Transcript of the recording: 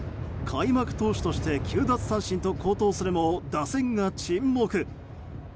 開幕投手として９奪三振と好投するも打線が沈黙。